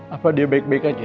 apa dia baik baik aja